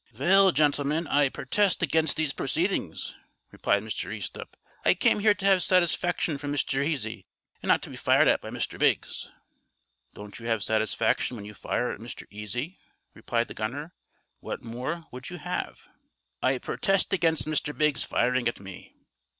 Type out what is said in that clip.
"Vel, gentlemen, I purtest against these proceedings," replied Mr. Easthupp. "I came here to have satisfaction from Mr. Easy, and not to be fired at by Mr. Biggs." "Don't you have satisfaction when you fire at Mr. Easy?" replied the gunner. "What more would you have?" "I purtest against Mr. Biggs firing at me."